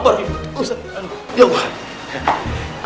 ustadz ya allah